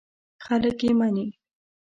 خلک یې مني.